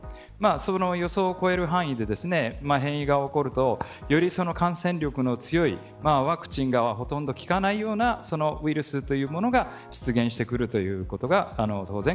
その予想を超える範囲で変異が起こるとよりその感染力の強いワクチンがほとんど効かないようなウイルスというものが出現するということが当然。